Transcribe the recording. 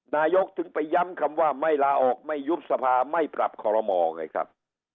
นายกถึงไปย้ำคำว่าไม่ลาออกไม่ยุบสภาไม่ปรับคอรมอไงครับ